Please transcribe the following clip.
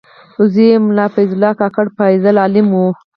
زوی یې ملا فیض الله کاکړ فاضل عالم و.